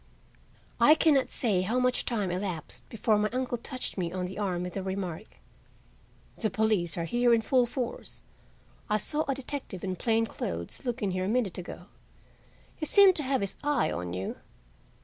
I can not say how much time elapsed before my uncle touched me on the arm with the remark: "The police are here in full force. I saw a detective in plain clothes look in here a minute ago. He seemed to have his eye on you.